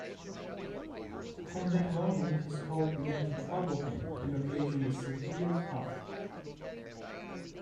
On that morning his cold began to trouble him and occasioned a severe cough.